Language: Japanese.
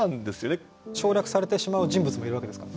省略されてしまう人物もいるわけですからね。